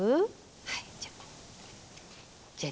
はいじゃあ。